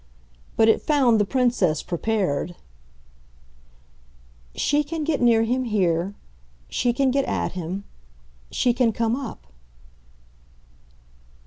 But it found the Princess prepared. "She can get near him here. She can get 'at' him. She can come up."